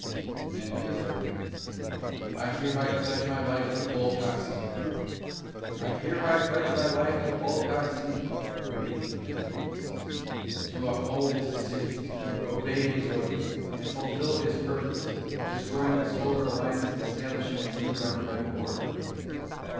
The men raised their hands. "I hereby pledge my life to Bull Coxine!" "... I hereby pledge my life to Bull Coxine...." repeated the men in unison. "To uphold his decisions, obey his orders, and fulfill his purpose of destroying the Solar Alliance and establishing a new governmental order!"